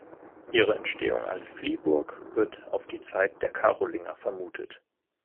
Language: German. Ihre Entstehung als Fliehburg wird auf die Zeit der Karolinger vermutet.